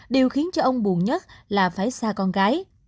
điều khiến cho ông buồn nhất là phải xa con gái